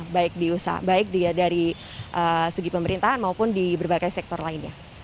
baik diusaha baik dari segi pemerintahan maupun di berbagai sektor lainnya